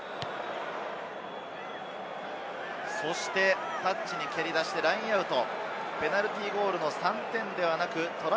そしてタッチに蹴り出してラインアウト。